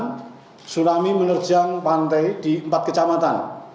tsunami menerjang pantai di empat kecamatan